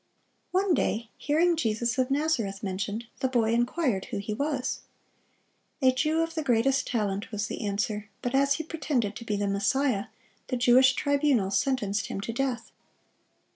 One day hearing Jesus of Nazareth mentioned, the boy inquired who He was. "A Jew of the greatest talent," was the answer; "but as He pretended to be the Messiah, the Jewish tribunal sentenced Him to death."